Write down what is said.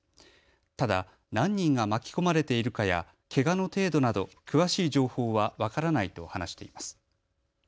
ただ何人が巻き込まれているかやけがの程度など詳しい情報は分からないと話しています。